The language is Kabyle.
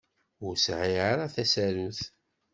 Ur sɛiɣ ara tasarut.